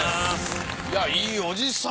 いやいい伯父さん。